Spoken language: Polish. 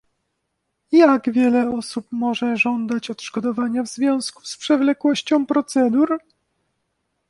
Jak wiele osób może żądać odszkodowania w związku z przewlekłością procedur?